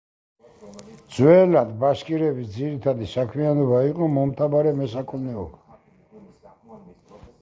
ძველად ბაშკირების ძირითადი საქმიანობა იყო მომთაბარე მესაქონლეობა.